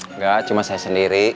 enggak cuma saya sendiri